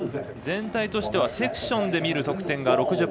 全体としてはセクションで見る得点が６０％。